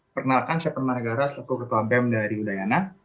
pernahkan saya padmanegara selaku ketua bem dari udayana